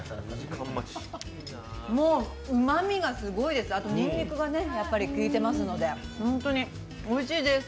もう、うまみがすごいですあとにんにくがきいてますのでホントにおいしいです。